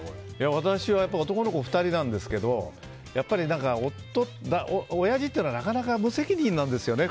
私は男の子２人なんですけどおやじっていうのは、なかなか無責任なんですよね